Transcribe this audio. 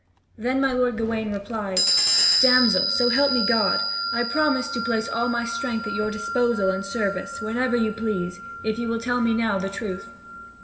Then my lord Gawain replies: "Damsel, so help me God, I promise to place all my strength at your disposal and service, whenever you please, if you will tell me now the truth."